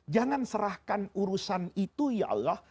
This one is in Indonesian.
jangan serahkan urusan itu ya allah